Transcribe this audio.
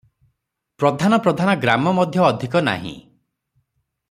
ପ୍ରଧାନ ପ୍ରଧାନ ଗ୍ରାମ ମଧ୍ୟ ଅଧିକ ନାହିଁ ।